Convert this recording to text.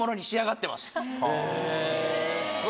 へぇ。